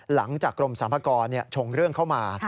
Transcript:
หลังจากกรมสรรพากรชงเรื่องเข้ามา